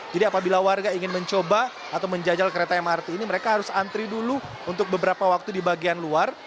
jadi apabila warga ingin mencoba atau menjajal kereta mrt ini mereka harus antri dulu untuk beberapa waktu di bagian luar